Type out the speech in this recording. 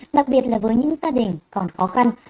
đặc biệt là với những gia đình còn khó khăn